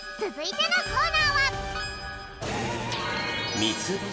つづいてのコーナーは。